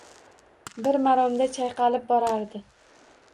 Bir maromda chayqalib borardi.